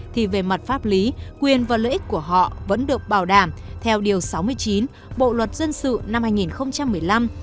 thì về mặt pháp lý quyền và lợi ích của họ vẫn được bảo đảm theo điều sáu mươi chín bộ luật dân sự năm hai nghìn một mươi năm